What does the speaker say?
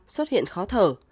ba xuất hiện khó thở